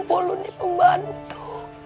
polo nih pembantu